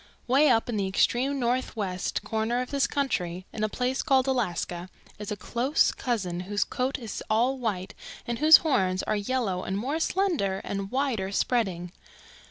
"Way up in the extreme northwest corner of this country, in a place called Alaska, is a close cousin whose coat is all white and whose horns are yellow and more slender and wider spreading.